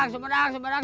silakan pak sepatunya pak